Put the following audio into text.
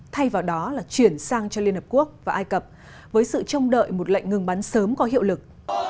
thay vào đó là chuyển sang cho liên hợp quốc và ai cập với sự trông đợi một lệnh ngừng bắn sớm có hiệu lực